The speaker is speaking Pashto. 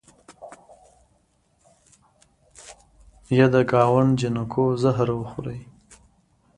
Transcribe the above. یه د ګاونډ جینکو زهر وخورئ